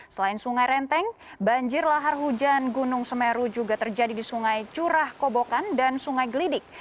selain sungai renteng banjir lahar hujan gunung semeru juga terjadi di sungai curah kobokan dan sungai gelidik